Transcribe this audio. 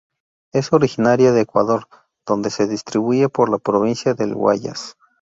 Es originaria de Ecuador, donde se distribuye por la Provincia del Guayas.